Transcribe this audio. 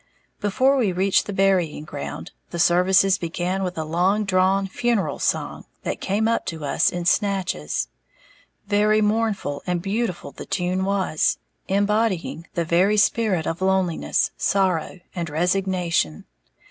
Before we reached the burying ground, the services began with a long drawn funeral song, that came up to us in snatches. Very mournful and beautiful the tune was, embodying the very spirit of loneliness, sorrow and resignation.